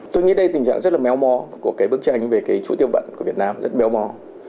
tôi nghĩ đây tình trạng rất là méo mó của bức tranh về chủ tiêu vận của việt nam rất méo mó